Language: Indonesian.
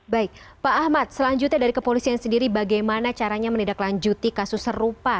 baik pak ahmad selanjutnya dari kepolisian sendiri bagaimana caranya menindaklanjuti kasus serupa